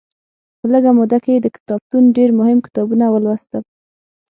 په لږه موده کې یې د کتابتون ډېر مهم کتابونه ولوستل.